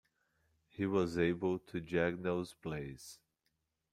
He was able to diagnose plays.